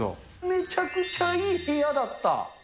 めちゃくちゃいい部屋だった。